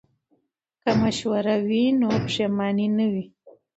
که مشوره وي نو پښیمانی نه وي.